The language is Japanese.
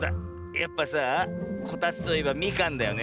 やっぱさあこたつといえばみかんだよね。